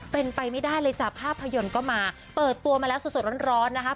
เป็นไปไม่ได้เลยจ้ะภาพยนตร์ก็มาเปิดตัวมาแล้วสดร้อนนะคะ